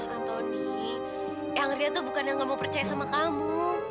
antoni yang ria tuh bukan yang gak mau percaya sama kamu